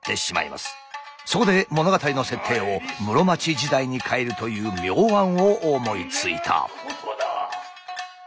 そこで物語の設定を室町時代に変えるという妙案を思いついた。